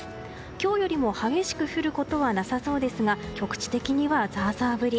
今日よりも激しく降るところはなさそうですが局地的にはザーザー降り。